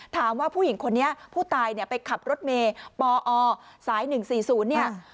ถามว่าผู้หญิงคนนี้ผู้ตายเนี่ยไปขับรถเมย์ปอสาย๑๔๐เนี่ย